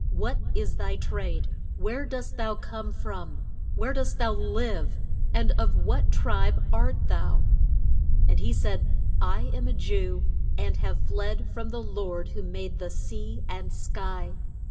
What is thy trade? where dost thou come from? where dost thou live? and of what tribe art thou? And he said I am a Jew, and have fled from the Lord who made the sea and sky.